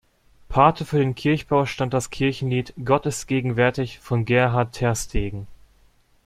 Pate für den Kirchbau stand das Kirchenlied „Gott ist gegenwärtig“ von Gerhard Tersteegen.